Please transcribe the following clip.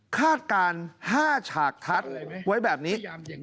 คาดการณ์๕ฉากทัศน์ไว้แบบนี้